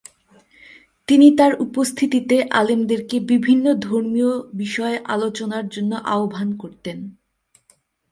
তিনি তার উপস্থিতিতে আলেমদেরকে বিভিন্ন ধর্মীয় বিষয়ে আলোচনার জন্য আহ্বান করতেন।